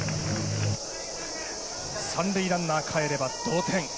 三塁ランナーかえれば同点。